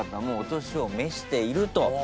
もうお年を召していると。